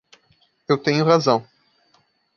Eu tenho razão.